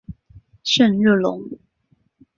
圣热龙。